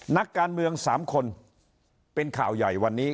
นักการเมือง๓คนเป็นข่าวใหญ่วันนี้